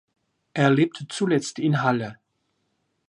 Er lebte zuletzt in Halle.